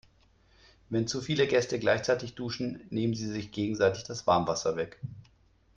Wenn zu viele Gäste gleichzeitig duschen, nehmen sie sich gegenseitig das Warmwasser weg.